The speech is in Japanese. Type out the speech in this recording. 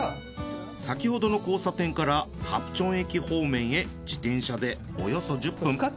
先ほどの交差点からハプチョン駅方面へ自転車でおよそ１０分。